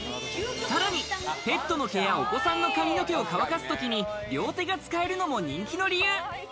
さらにペットの毛や、お子さんの髪の毛を乾かす時に、両手が使えるのも人気の理由。